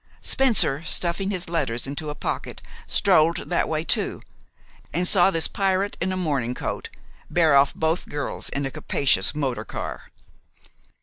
Spencer, stuffing his letters into a pocket, strolled that way too, and saw this pirate in a morning coat bear off both girls in a capacious motor car.